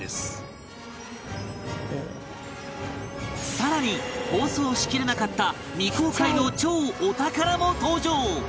さらに放送しきれなかった未公開の超お宝も登場！